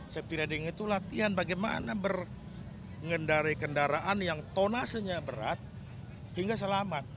safety riding itu latihan bagaimana mengendari kendaraan yang tonasinya berat hingga selamat